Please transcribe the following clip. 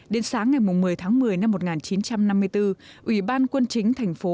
đến sáng ngày một mươi tháng một mươi năm một nghìn chín trăm năm mươi bốn ủy ban quân chính thành phố